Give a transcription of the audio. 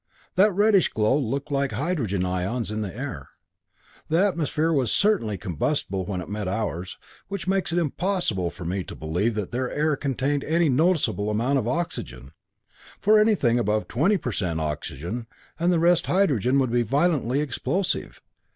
That reddish glow looked like hydrogen ions in the air. The atmosphere was certainly combustible when it met ours, which makes it impossible for me to believe that their air contained any noticeable amount of oxygen, for anything above twenty per cent oxygen and the rest hydrogen would be violently explosive.